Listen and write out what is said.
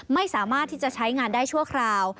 ไม่สามารถที่จะใช้งานได้ชั่วคราว